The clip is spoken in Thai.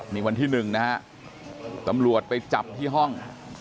นี่วันที่๑นะฮะตำรวจไปจับที่ห้อง